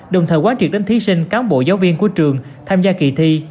đồng thời quá truyệt đến thí sinh cán bộ giáo viên của trường tham gia kỳ thi